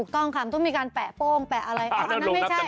กล้องคำต้องมีการแปะโป้งแปะอะไรอ่านั่นไม่ใช่